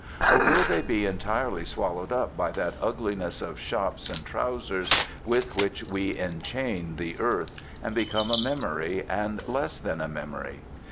Or will they be entirely swallowed by that ugliness of shops and trousers with which we enchain the earth, and become a memory and less than a memory?